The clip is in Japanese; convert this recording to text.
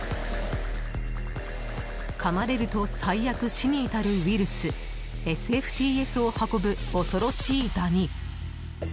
かまれると最悪、死に至るウイルスＳＦＴＳを運ぶ、恐ろしいダニ。